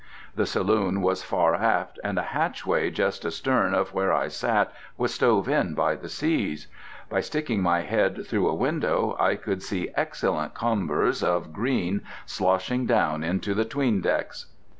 The saloon was far aft, and a hatchway just astern of where I sat was stove in by the seas. By sticking my head through a window I could see excellent combers of green sloshing down into the 'tweendecks.